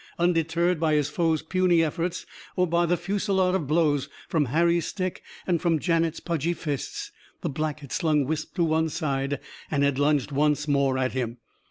Undeterred by his foe's puny efforts or by the fusillade of blows from Harry's stick and from Janet's pudgy fists, the Black had slung Wisp to one side and had lunged once more at him.